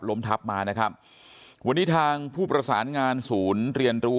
ทับมานะครับวันนี้ทางผู้ประสานงานศูนย์เรียนรู้